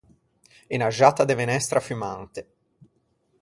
Unna xatta de menestra fummante.